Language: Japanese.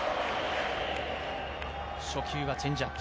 初球はチェンジアップ。